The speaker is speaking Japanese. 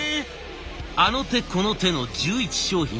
あの手この手の１１商品。